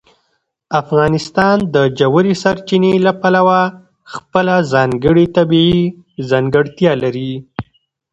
افغانستان د ژورې سرچینې له پلوه خپله ځانګړې طبیعي ځانګړتیا لري.